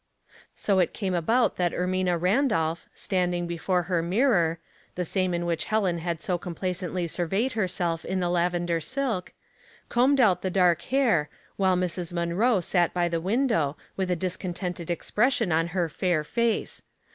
So it came about that Ermina Randolph, standing before her mirror — the same in which Helen had so complacently surveyed herself in the lavender silk, — combed out the dark hair, while Mrs. Munroe sat by the window, with a discontented expression on her fair face.